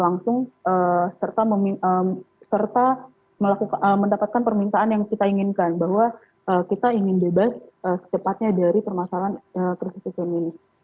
langsung serta mendapatkan permintaan yang kita inginkan bahwa kita ingin bebas secepatnya dari permasalahan krisis ekonomi ini